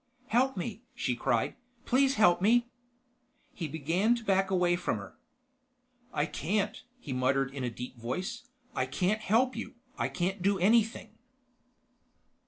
"Help me!" she cried. "Please help me!" He began to back away from her. "I can't," he muttered in a deep voice. "I can't help you. I can't do anything."